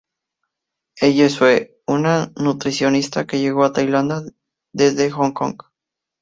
Ella es Sue, una nutricionista que llegó a Tailandia desde Hong Kong.